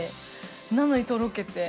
なのにとろけて。